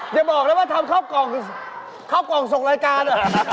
อย่าบอกนะว่าทำเข้ากล่องสกรายกาล